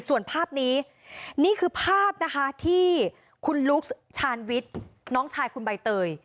ส่วนภาพนี้นี่คือภาพนะคะที่คุณลุ๊กชาญวิทย์น้องชายคุณใบเตย